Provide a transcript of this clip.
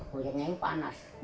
bojeknya ini panas